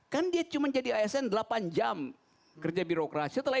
kan dia cuma jadi asn delapan jam kerja birokrasi